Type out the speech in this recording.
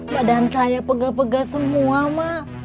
badan saya pegal pegal semua ma